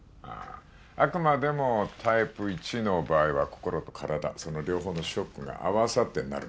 あくまでもタイプ１の場合は心と体その両方のショックが合わさってなるものだ。